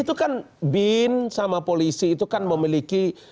itu kan bin sama polisi itu kan memiliki